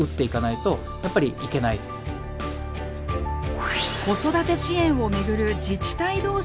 子育て支援をめぐる自治体同士の競争。